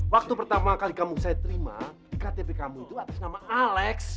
waktu pertama kali kamu saya terima ktp kamu itu atas nama alex